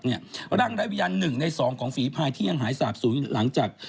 ร่างไร้วิญญาณ๑ใน๒ของฝีภายที่ยังหายสาบศูนย์หลังจาก